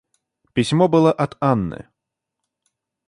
Письмо было от Анны.